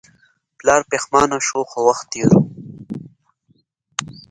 پلار پښیمانه شو خو وخت تیر و.